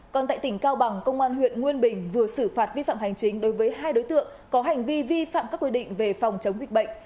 còn tại tỉnh cao bằng công an huyện nguyên bình vừa xử phạt vi phạm hành chính đối với hai đối tượng có hành vi vi phạm các quy định về phòng chống dịch bệnh